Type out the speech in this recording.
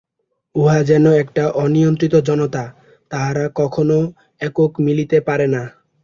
উহা যেন একটা অনিয়ন্ত্রিত জনতা, তাহারা কখনও একত্র মিলিতে পারে না।